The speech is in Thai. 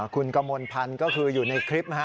คุณกมลพันธ์ก็คืออยู่ในคลิปนะฮะ